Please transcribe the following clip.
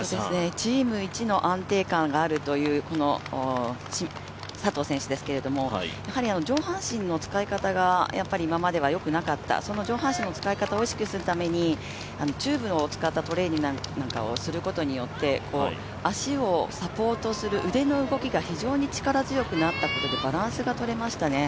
チーム一の安定感があるという佐藤選手ですけれども、上半身の使い方が今まではよくなかった、その上半身の使い方をよくするためにチューブを使ったトレーニングなどをすることで、足をサポートする腕の動きが非常に力強くなったことでバランスがとれましたね。